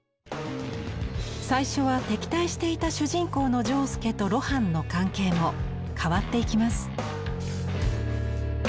最初は敵対していた主人公の仗助と露伴の関係も変わっていきます。